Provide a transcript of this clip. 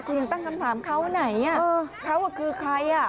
คุณยังตั้งคำถามเขาไหนเขาคือใครอ่ะ